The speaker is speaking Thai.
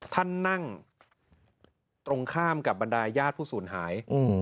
ท่านนั่งตรงข้ามกับบรรดายญาติผู้สูญหาย